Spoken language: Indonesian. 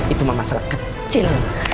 itu masalah kecil